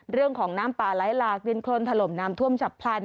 เรื่องของน้ำป่าไหลหลากดินโครนถล่มน้ำท่วมฉับพลัน